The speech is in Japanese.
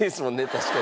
確かに。